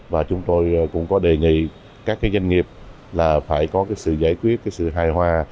và chúng tôi cũng có đề nghị các doanh nghiệp là phải có cái sự giải quyết cái sự hài hòa